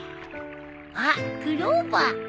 あっクローバー。